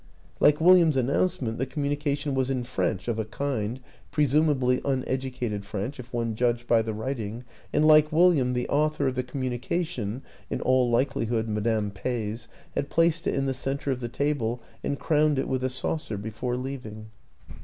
Like William's announcement, the communication was in French, of a kind pre sumably uneducated French if one judged by the writing; and like William the author of the com munication (in all likelihood Madame Peys) had placed it in the center of the table and crowned it with a saucer before leaving.